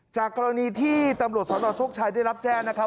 จากกรณีที่ตำรวจสนโชคชัยได้รับแจ้งนะครับ